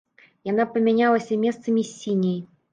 Яна памянялася месцамі з сіняй.